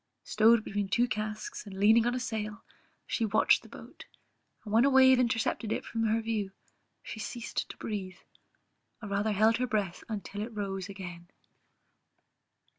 Stowed between two casks, and leaning on a sail, she watched the boat, and when a wave intercepted it from her view she ceased to breathe, or rather held her breath until it rose again.